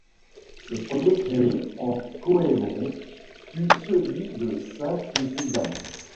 Le premier créé en Coëvrons fut celui de Sainte-Suzanne.